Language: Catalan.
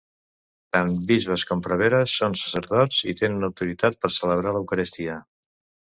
Tant bisbes com preveres són sacerdots i tenen autoritat per celebrar l'eucaristia.